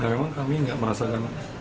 nah memang kami gak merasakan